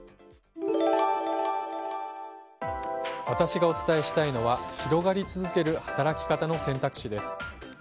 私がお伝えしたいのは広がり続ける働き方の選択肢です。